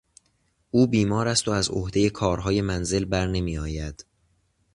او بیمار است و از عهدهی کارهای منزل برنمیآید.